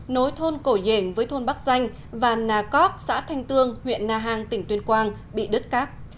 nối thôn cổ dền với thôn bắc danh và nà cóc xã thanh tương huyện nà hàng tỉnh tuyên quang bị đứt cáp